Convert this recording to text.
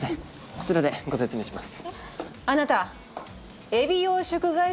こちらでご説明します